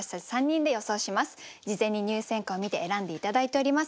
事前に入選歌を見て選んで頂いております。